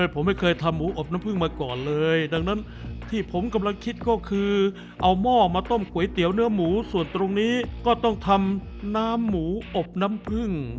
ผมไม่เคยทำหมูอบน้ำพึ่งมาก่อนเลยดังนั้นที่ผมกำลังคิดก็คือเอาหม้อมาต้มก๋วยเตี๋ยวเนื้อหมูส่วนตรงนี้ก็ต้องทำน้ำหมูอบน้ำพึ่ง